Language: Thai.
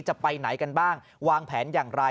จะไปไหนกันบ้างวางแผนอย่างไร